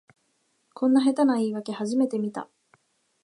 こんな下手な言いわけ初めて見た